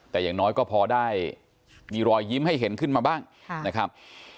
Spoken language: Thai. แต่อย่างน้อยก็พอได้มีรอยยิ้มให้เห็นขึ้นมาบ้างนะครับ